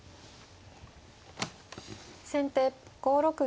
先手５六銀。